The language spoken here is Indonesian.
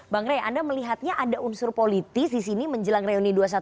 bang rey anda melihatnya ada unsur politis di sini menjelang reuni dua ratus dua belas